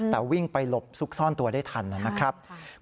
แต่วิ่งไปหลบซุกซ่อนตัวได้ทันนะครับ